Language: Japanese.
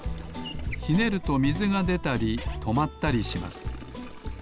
ひねるとみずがでたりとまったりします。